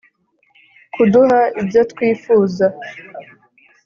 kuduha ibyo twifuza.